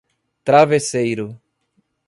Travesseiro